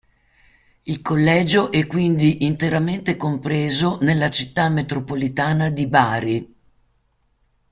Il collegio è quindi interamente compreso nella città metropolitana di Bari.